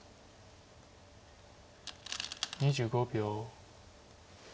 ２５秒。